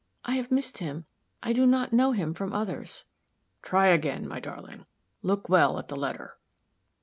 I have missed him I do not know him from others." "Try again, my darling. Look well at the letter."